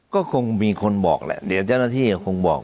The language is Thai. ก็คงมีคนบอกแหละเดี๋ยวเจ้าหน้าที่คงบอก